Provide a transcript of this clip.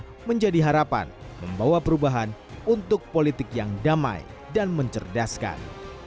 yang menjadi harapan membawa perubahan untuk politik yang damai dan mencerdaskan